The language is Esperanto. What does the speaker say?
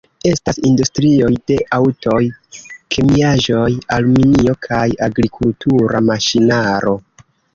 Estas industrioj de aŭtoj, kemiaĵoj, aluminio kaj agrikultura maŝinaro.